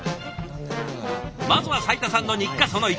まずは斉田さんの日課その１。